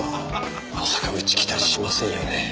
まさかうち来たりしませんよね？